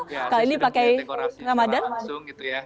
ya saya sudah melihat dekorasi dekorasi tersebut langsung gitu ya